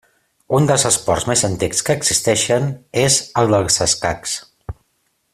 Un dels esports més antics que existeixen és el dels escacs.